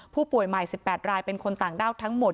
ผู้ป่วยใหม่๑๘รายเป็นคนต่างด้าวทั้งหมด